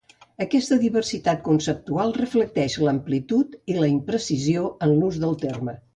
Aquesta diversitat conceptual reflecteix l'amplitud i la imprecisió en l'ús del terme.